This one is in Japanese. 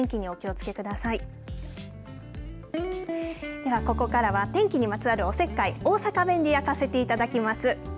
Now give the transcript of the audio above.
ではここからは天気にまつわるおせっかい大阪弁で焼かせていただきます。